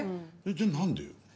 じゃあ何でよ？